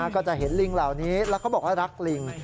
ก็จะเห็นลิงเหล่านี้แล้วเขาบอกว่ารักลิง